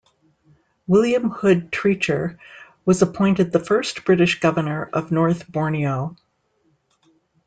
William Hood Treacher was appointed the first British Governor of North Borneo.